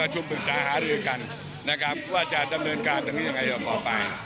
การช่วงปรึกษาหารือกันว่าจะดำเนินการตรงนี้ยังไงว่าพอไป